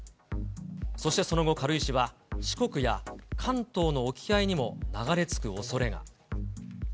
そしてその後、軽石は四国や関東の沖合にも流れ着くおそれが。